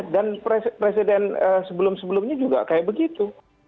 dan presiden sebelum sebelumnya juga kayak begitu